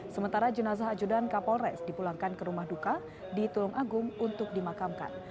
sementara jenazah ajudan kapolres dipulangkan ke rumah duka di tulung agung untuk dimakamkan